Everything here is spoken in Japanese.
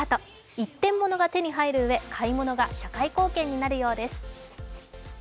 一点ものが手に入るうえ買い物が社会貢献になるようです。